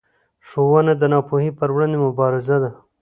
ښوونه د ناپوهۍ پر وړاندې مبارزه ده